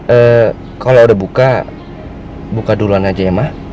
eh kalau udah buka buka duluan aja ya ma